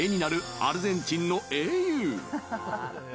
アルゼンチンの英雄。